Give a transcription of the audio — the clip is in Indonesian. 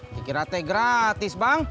kikirate gratis bang